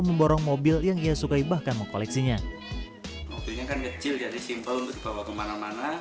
memborong mobil yang ia sukai bahkan mengkoleksinya mobilnya kan kecil jadi simple untuk dibawa kemana mana